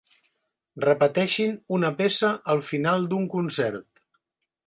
Repeteixin una peça al final d'un concert.